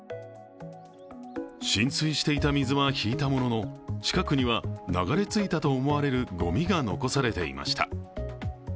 浸水していた水は引いたものの近くには流れ着いたと思われるごみが残されていました。